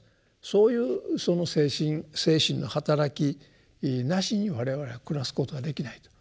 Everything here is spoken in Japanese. そういう精神のはたらきなしに我々は暮らすことはできないと。